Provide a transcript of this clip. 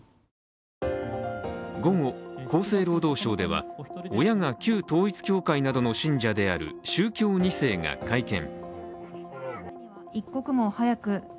午後、厚生労働省では親が旧統一教会などの信者である宗教２世が会見。